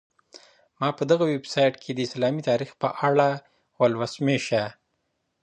ما په دغه ویبسایټ کي د اسلامي تاریخ په اړه ولوسهمېشه.